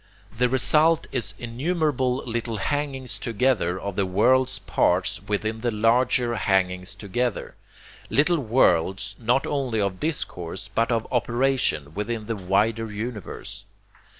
The result is innumerable little hangings together of the world's parts within the larger hangings together, little worlds, not only of discourse but of operation, within the wider universe.